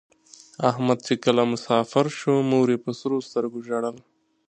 احمد چې کله مسافر شو مور یې په سرو سترگو ژړل.